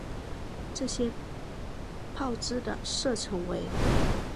这些炮支的射程为。